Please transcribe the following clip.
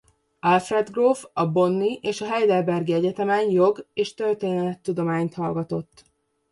Alfred gróf a Bonni és a Heidelbergi Egyetemen jog- és történettudományt hallgatott.